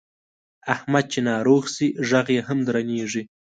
احمد چې ناروغ شي غږ یې هم درنېږي.